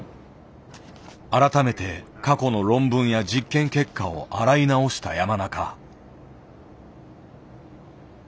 改めて過去の論文や実験結果を洗い直した山中。